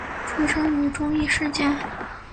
出生于中医世家。